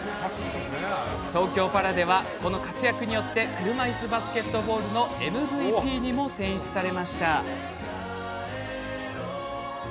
東京パラでは、この活躍によって車いすバスケットボールのＭＶＰにも選出されました。